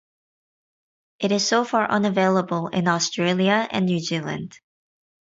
It is so far unavailable in Australia and New Zealand.